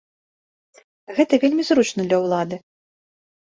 Гэта вельмі зручна для ўлады.